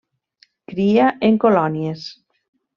Cria en colònies.